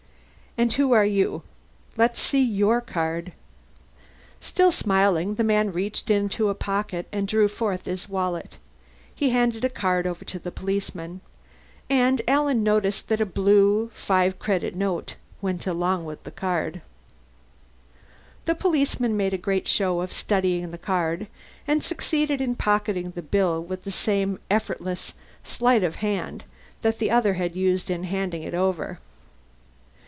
"And who are you? Let's see your card!" Still smiling, the man reached into a pocket and drew forth his wallet. He handed a card over to the policeman and Alan noticed that a blue five credit note went along with the card. The policeman made a great show of studying the card and succeeded in pocketing the bill with the same effortless sleight of hand that the other had used in handing it over.